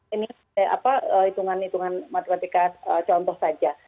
ini hitungan hitungan matematika contoh saja